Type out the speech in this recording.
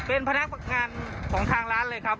เป็นพนักงานของทางร้านเลยครับ